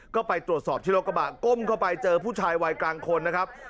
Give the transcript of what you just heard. ก็ไปตรวจสอบที่รถกระบะก้มเข้าไปเจอผู้ชายวัยกลางคนนะครับ